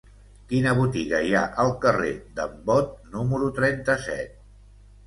Quina botiga hi ha al carrer d'en Bot número trenta-set?